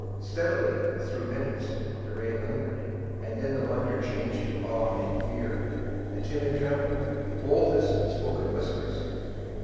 Steadily, through minutes, the ray lingered, and then the wonder changed to awe and fear; the timid trembled; the boldest spoke in whispers.